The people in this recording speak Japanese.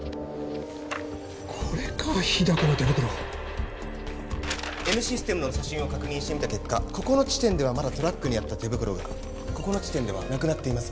これか日高の手袋Ｎシステムの写真を確認してみた結果ここの地点ではまだトラックにあった手袋がここの地点ではなくなっています